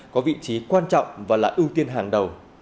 có vị trí quan trọng và là ưu tiên hàng đầu